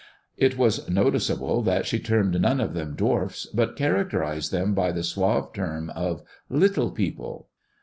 It was noticeable that she termed none of them dwarfs, but characterized them by the suave term of " little people."